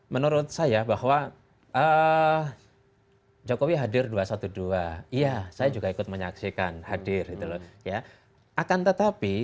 menurut saya bahwa jokowi hadir dua ratus dua belas iya saya juga ikut menyaksikan hadir gitu loh ya akan tetapi